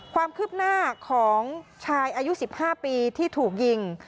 ความคืบหน้าของชายอายุ๑๕ปีที่ถูกยิง